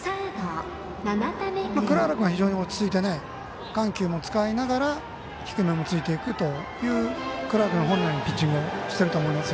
藏原君、非常に落ち着いて緩急も使いながら低めもついていくという藏原君、本来のピッチングしてると思います。